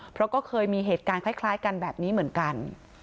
เพราะก็เคยมีเหตุการณ์คล้ายกันแบบนี้เหมือนกัน